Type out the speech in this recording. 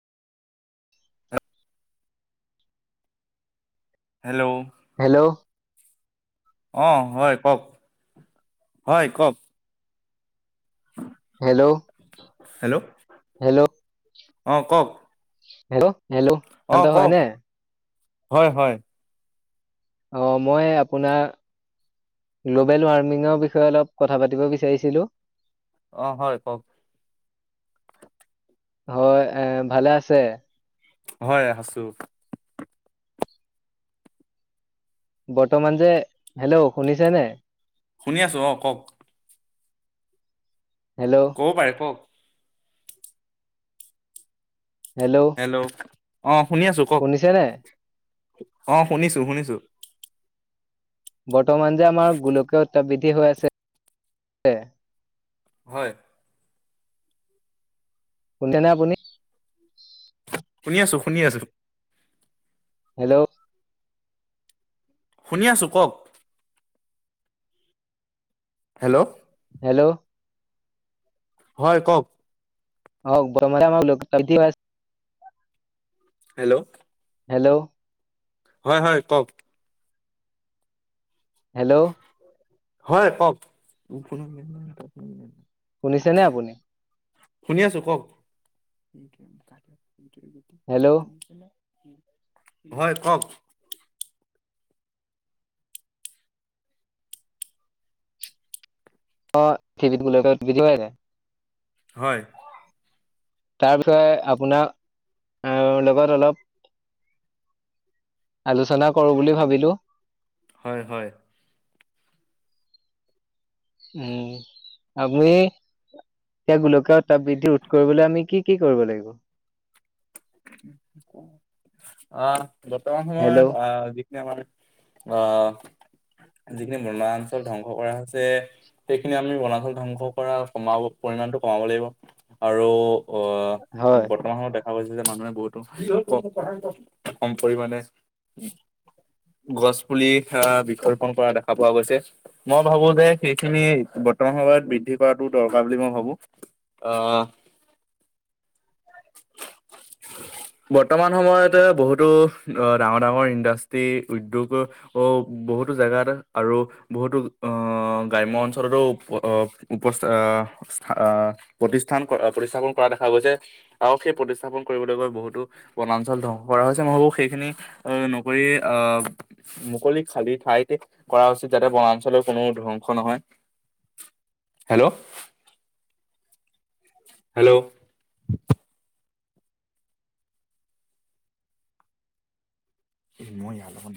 [unintelligible] Hello hello আহ হয় কওক হয় কওক হেল্ল' হেল্ল' হেল্ল' আহ কওক হেল্লো হেল্ল' অ শান্ত হয় কওক নে? হয় হয় অ মই আপোনাৰ নবেল ৱাৰ্মিঙৰ বিষয়ে অলপ কথা পাতিব বিচাৰিছিলোঁ। অ হয় কওক। হয় এ ভালে আছে। হয় আছো। বৰ্তমান যে হেল্ল' শুনিছে নে। শুনি আছো অ কওক। হেল্ল' ক'ব পাৰে কওক। হেল্ল'। অ। শুনি আছো কওক শুনিছে নে। অ শুনিছো শুনিছো। বৰ্তমান যে আমাৰ গোলকীয় উত্তাপ বৃদ্ধি হৈ আছে। হয়। শুনিছানে আপুনি? শুনি আছো শুনি আছো হেল্ল' শুনি আছো কওক হেল্ল' হেল্ল' হয় কওক [unintelligible] হেল্ল' হেল্ল' হয় হয় কওক হেল্ল' হয় কওক নাই ত নাই শুনিছেনে আপুনি শুনি আছো কওক হেল্ল' [unintelligible] হয় কওক [unintelligible] হয় তাৰ বিষয়ে আপোনাৰ লগত অলপ আলোচনা কৰো বুলি ভাৱিলো হয় হয় উম আমি এতিয়া গোলকীয় তাপ বৃদ্ধি ৰোধ কৰিবলৈ আমি কি কি কৰিব লাগিব অ বৰ্তমান সময়ত হেল্ল' অ যি আমাৰ আহ যিখিনি বনাঞ্চল ধ্বংস কৰা হৈছে সেইখিনি আমি বনাঞ্চল ধ্বংস কৰা কমাব পৰিমাণটো কমাব লাগিব আৰু অ হয় বৰ্তমান সময়ত দেখা হব মানুহে বহুতো ক কম পৰিমানে গছ পুলি বিকল্পন কৰা দেখা পোৱা গৈছে মই ভাবো যে সেইখিনি বৰ্তমান সময়ত বৃদ্ধি কৰাটো দৰকাৰ বুলি মই ভাবো আহ বৰ্তমান সময়তে বহুতো ডাঙৰ ডাঙৰ ইণ্ডাষ্ট্ৰি উদ্যোগ বহুতো জেগাত আৰু বহুতো আহ গ্ৰাম্য অঞ্চলতো উপস্থ আহ প্ৰতিষ্ঠান প্ৰতিষ্ঠাপন কৰা দেখা গৈছে আৰু সেই প্ৰতিষ্ঠান স্থাপন কৰিবলৈ গৈ বহুতো বনাঞ্চল ধ্বংস কৰা হৈছে মই ভাবো সেইখিনি নকৰি আহ মুকলি খালী ঠাইতে কৰা উচিত যাতে বনাঞ্চলৰ কোনো ধ্বংস নহয় হেল্ল' হেল্ল' মই ইয়াৰ লগত